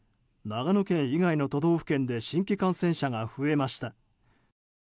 長野県以外の都道府県で新規感染者が増えました。